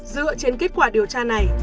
dựa trên kết quả điều tra này